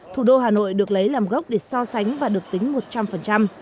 thủ đô hà nội được lấy làm gốc để so sánh và được tính một trăm linh